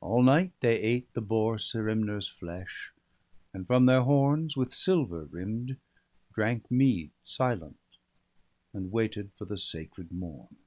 All night they ate the boar Serimner's flesh, And from their horns, with silver rimm'd, drank mead, Silent, and waited for the sacred morn.